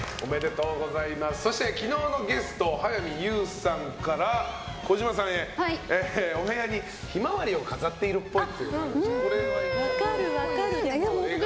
そして昨日のゲスト早見優さんから小島さんへ、お部屋にヒマワリを飾っているっぽい。